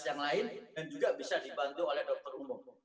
tapi dia juga bisa dibantu oleh dokter dokter spesialis